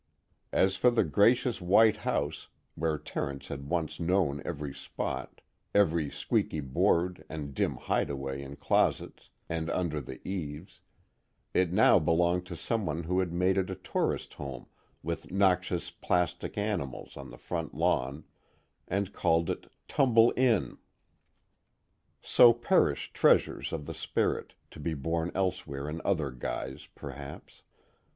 As for the gracious white house, where Terence had once known every spot, every squeaky board and dim hideaway in closets and under the eaves, it now belonged to someone who had made it a Tourist Home with noxious plastic animals on the front lawn, and called it Tumble Inn. So perish treasures of the spirit, to be born elsewhere in other guise, perhaps.